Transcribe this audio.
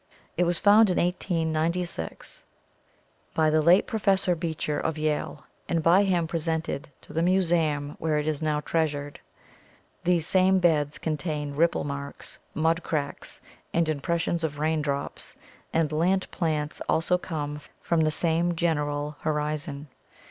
It was found in 1&96 by the late Professor EMERGENCE OF TERRESTRIAL VERTEBRATES 491 Beecher of Yale and by him presented to the Museum where it is now treasured. These same beds contain ripple marks, mud cracks, and impressions of rain drops, and land plants also come from the same general horizon.